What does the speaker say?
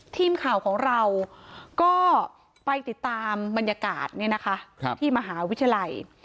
ทีมข่าวของเราก็ไปติดตามบรรยากาศที่มหาวิทยาลัย